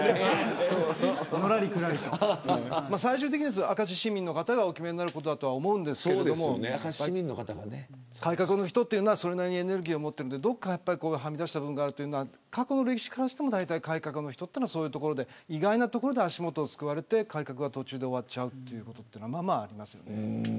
最終的には明石市民の方がお決めになることだと思いますが改革の人というのはそれなりにエネルギーを持っているのでどこか、はみ出した部分があるというのは過去の歴史からしても改革の人はそういうところで意外なところで足元をすくわれて改革が途中で終わるということがままあります。